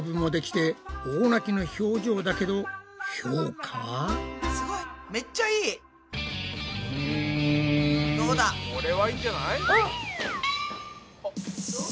これはいいんじゃない？